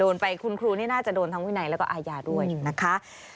โดนไปคุณครูนี่น่าจะโดนทั้งวินัยแล้วก็อาญาด้วยนะคะ